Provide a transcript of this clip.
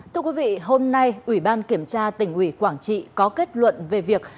thưa quý vị hôm nay ủy ban kiểm tra tỉnh ủy quảng trị có kết luận về việc